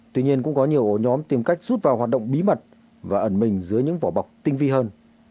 tuy nhiên cũng có nhiều ổ nhóm tìm cách rút vào hoạt động bí mật và ẩn mình dưới những vỏ bọc tinh vi hơn